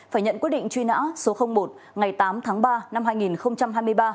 phải nhận quyết định truy nã số một ngày tám tháng ba năm hai nghìn hai mươi ba